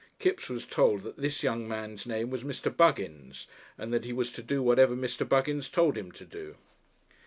Kipps was told that this young man's name was Mr. Buggins, and that he was to do whatever Mr. Buggins told him to do.